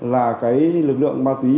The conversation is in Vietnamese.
là cái lực lượng ma túy